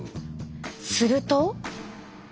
すると。